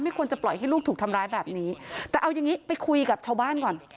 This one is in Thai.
ควรจะปล่อยให้ลูกถูกทำร้ายแบบนี้แต่เอาอย่างงี้ไปคุยกับชาวบ้านก่อน